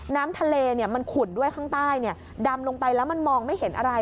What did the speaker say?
น้ำทะเลมันขุ่นด้วยข้างใต้ดำลงไปแล้วมันมองไม่เห็นอะไร